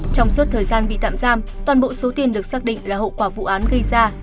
trong suốt thời gian bị tạm giam toàn bộ số tiền được xác định là hậu quả vụ án gây ra